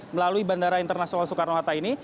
melalui bandara internasional soekarno hatta ini